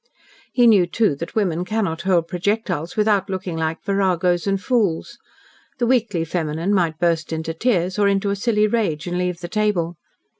He knew, too, that women cannot hurl projectiles without looking like viragos and fools. The weakly feminine might burst into tears or into a silly rage and leave the table.